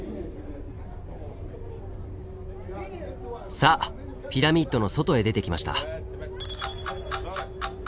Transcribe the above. さあピラミッドの外へ出てきました。